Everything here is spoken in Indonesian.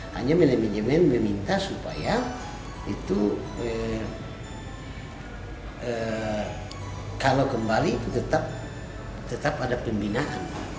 hanya manajemen meminta supaya itu kalau kembali tetap ada pembinaan